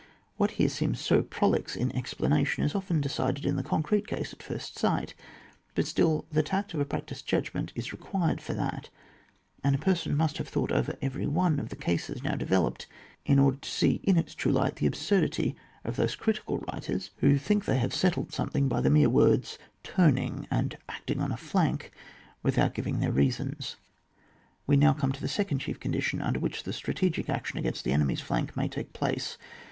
Wliat here seems so prolix in the ex planation is often decided in the concrete case at flrst sight ; but still, the tact of a practised judgment is required for that, and a person must have thought over every one of the cases now developed in order to see in its true light the absurdity of those critical writers who think they have CHAP. XXIV.] OPERATING AGAINST A FLANK. 161 settled something by tlie mere words "turning" and acting on a flank," without giving their reasons. ^ We now come to the second chief con ditiorif imder which the strategic action against the enemy's flank may take place.